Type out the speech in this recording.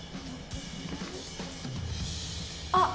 あっ！